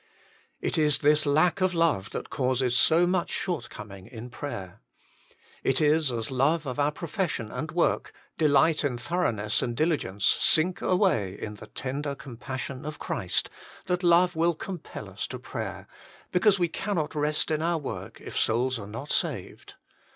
It is this lack of love that causes so much shortcoming in prayer. It is as love of our 4 36 THE MINISTRY OF INTERCESSION profession and work, delight in thoroughness and diligence, sink away in the tender compassion of Christ, that love will compel us to prayer, be cause we cannot rest in our work if souls are not saved.